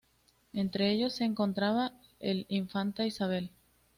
Entre ellos se encontraba el "Infanta Isabel".